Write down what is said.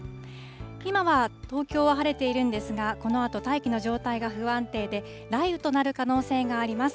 今は東京は晴れているんですが、このあと大気の状態が不安定で、雷雨となる可能性があります。